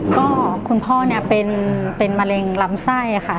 ก็คุณพ่อเนี่ยเป็นมะเร็งลำไส้ค่ะ